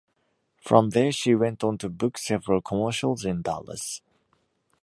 From there, she went on to book several commercials in Dallas.